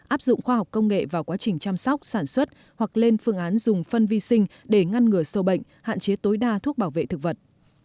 áp dụng khoa học công nghệ vào quá trình chăm sóc sản xuất hoặc lên phương án dùng phân vi sinh để ngăn ngừa sâu bệnh hạn chế tối đa thuốc bảo vệ thực vật